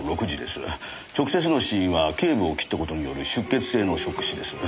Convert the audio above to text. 直接の死因は頸部を切った事による出血性のショック死です。